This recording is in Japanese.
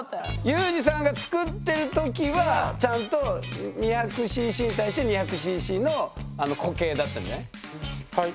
裕士さんが作ってる時はちゃんと２００ｃｃに対して２００ｃｃの固形だったんじゃない？